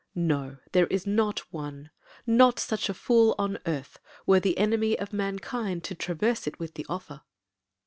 —No, there is not one—not such a fool on earth, were the enemy of mankind to traverse it with the offer!'